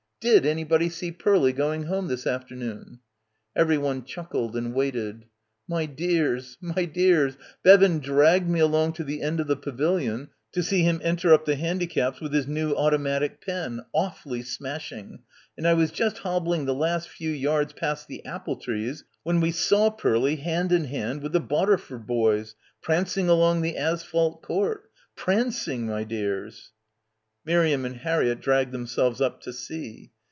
... Did anybody see Pearlie going home this afternoon?" Everyone chuckled and waited. "My dears! My dears!! Be van dragged me along to the end of the pavilion to see him enter up the handicaps with his new automatic pen — awfully smashing — and I was just hobbling the last few yards past the apple trees when we saw — 49 — PILGRIMAGE Pearlie hand in hand with the Botterford boys, prancing along the asphalt court — prancing, my dears !" Miriam and Harriett dragged themselves up to see.